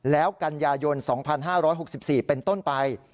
แล้วกันยายน๒๕๖๔เป็นต้นไป